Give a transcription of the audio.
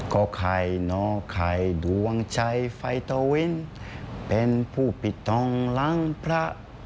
ก็ใครเนาะใครดวงใจไฟเตาวินเป็นผู้ปิดตองหลังพระ